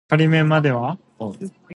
八嘎！